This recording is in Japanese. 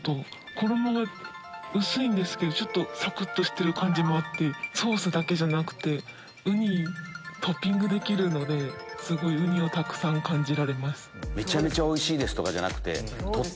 衣が薄いんですけどサクっとしてる感じもあってソースだけじゃなくてウニトッピングできるのですごいウニをたくさん感じられます。